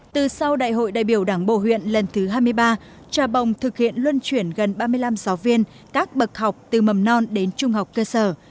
từ sau đại hội đại biểu đảng bộ huyện lần thứ hai mươi ba trà bồng thực hiện luân chuyển gần ba mươi năm giáo viên các bậc học từ mầm non đến trung học cơ sở